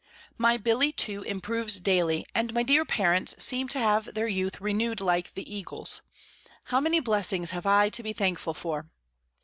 My Billy too improves daily, and my dear parents seem to have their youth renewed like the eagle's. How many blessings have I to be thankful for!